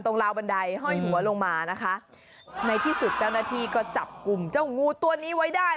ในที่สุดเจ้าหน้าที่ก็จับกลุ่มเจ้างูตัวนี้ไว้ได้